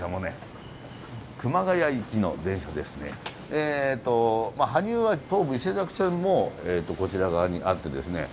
えっと羽生は東武伊勢崎線もこちら側にあってですね。